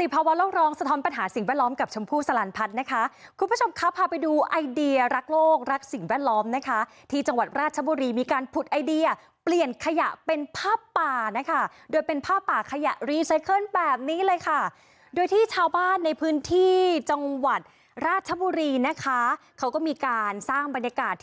ติภาวะโลกร้องสะท้อนปัญหาสิ่งแวดล้อมกับชมพู่สลันพัฒน์นะคะคุณผู้ชมคะพาไปดูไอเดียรักโลกรักสิ่งแวดล้อมนะคะที่จังหวัดราชบุรีมีการผุดไอเดียเปลี่ยนขยะเป็นผ้าป่านะคะโดยเป็นผ้าป่าขยะรีไซเคิลแบบนี้เลยค่ะโดยที่ชาวบ้านในพื้นที่จังหวัดราชบุรีนะคะเขาก็มีการสร้างบรรยากาศที่